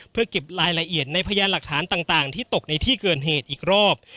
เพื่อเก็บรายละเอียดในพยานหลักฐานต่างที่ตกในที่เกิดเหตุอีกรอบ